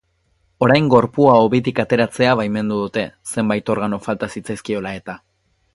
Orain gorpua hobitik ateratzea baimendu dute, zenbait organo falta zitzaizkiola eta.